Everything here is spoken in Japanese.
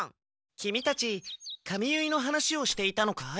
キミたち髪結いの話をしていたのかい？